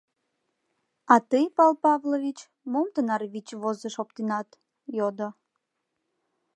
— А тый, Пал Павлович, мом тынар вич возыш оптенат? — йодо.